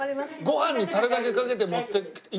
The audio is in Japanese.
ご飯にタレだけかけて持ってきて。